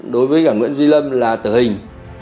đối với cả nguyễn duy lâm là tử hình